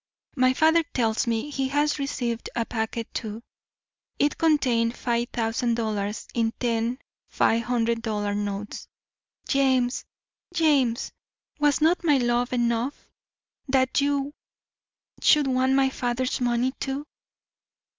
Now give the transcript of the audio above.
My father tells me he has received a packet too. It contained five thousand dollars in ten five hundred dollar notes. James! James! was not my love enough, that you should want my father's money too?